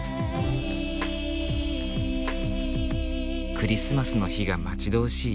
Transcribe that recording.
クリスマスの日が待ち遠しい。